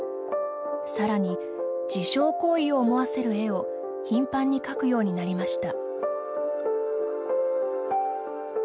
さらに、自傷行為を思わせる絵を頻繁に描くようになりました。